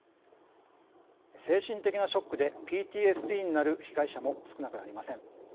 精神的なショックでＰＴＳＤになる被害者も少なくありません。